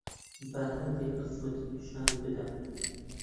با هەندێک ڕەسمت پیشان بدەم.